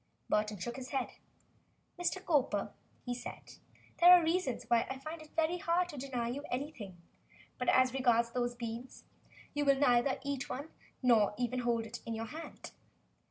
Burton shook his head. "Mr. Cowper," he said, "there are reasons why I find it very hard to deny you anything, but as regards those three beans, you will neither eat one nor even hold it in your hand.